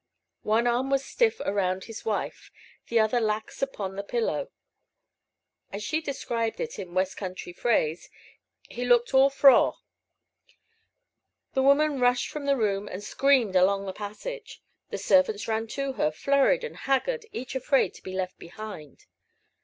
One arm was stiff around his wife, the other lax upon the pillow. As she described it in West country phrase, "he looked all frore." The woman rushed from the room, and screamed along the passage. The servants ran to her, flurried and haggard, each afraid to be left behind.